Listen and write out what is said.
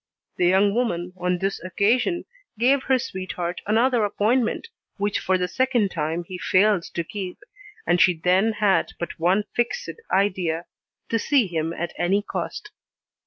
The young woman, on this occasion, gave her sweetheart another appointment which for the second time he failed to keep, and she then had but one fixed idea to see him at any cost.